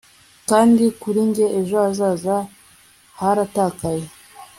kandi kuri njye ejo hazaza haratakaye